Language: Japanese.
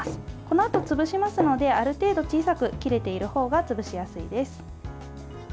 このあと潰しますのである程度小さく切れている方が潰しやすいです。